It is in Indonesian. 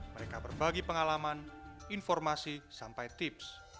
mereka berbagi pengalaman informasi sampai tips